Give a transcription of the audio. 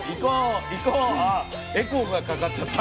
あエコーがかかっちゃった。